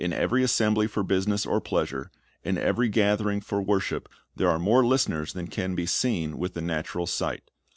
In every assembly for business or pleasure, in every gathering for worship, there are more listeners than can be seen with the natural sight.